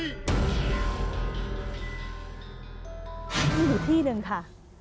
นี่คือที่หนึ่งค่ะ